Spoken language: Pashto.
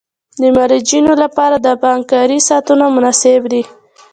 د مراجعینو لپاره د بانک کاري ساعتونه مناسب دي.